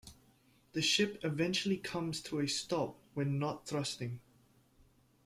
The ship eventually comes to a stop when not thrusting.